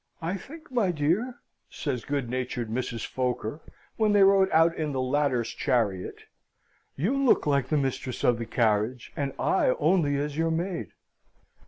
"I think, my dear," says good natured Mrs. Foker, when they rode out in the latter's chariot, "you look like the mistress of the carriage, and I only as your maid."